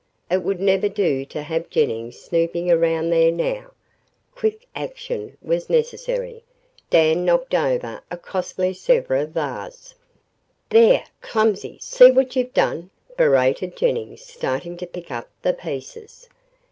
It would never do to have Jennings snooping around there now. Quick action was necessary. Dan knocked over a costly Sevres vase. "There clumsy see what you've done!" berated Jennings, starting to pick up the pieces.